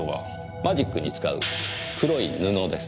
マジックに使う黒い布です。